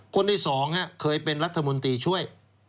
คนที่สองเคยเป็นรัฐมนตรีช่วย